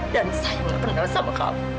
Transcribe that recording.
dan saya gak pernah sama kamu